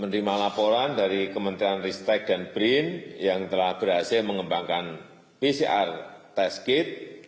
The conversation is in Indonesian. menerima laporan dari kementerian ristek dan brin yang telah berhasil mengembangkan pcr test kit